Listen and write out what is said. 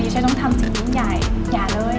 ฉันต้องทำสิ่งใหญ่เลย